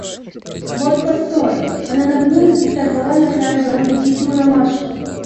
Вот постой.— Она нагнулась и сорвала на краю дороги дикую ромашку.